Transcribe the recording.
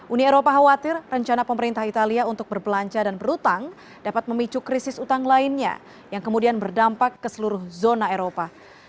uni eropa khawatir rencana pemerintah italia untuk berbelanja dan berhutang dapat memicu krisis utang lainnya yang kemudian berdampak ke seluruh zona eropa